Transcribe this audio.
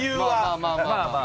まあまあまあ。